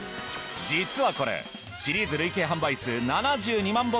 実はこれシリーズ累計販売数７２万